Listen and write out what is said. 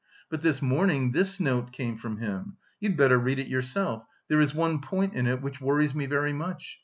But this morning this note came from him. You'd better read it yourself; there is one point in it which worries me very much...